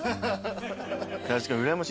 確かにうらやましいっすね。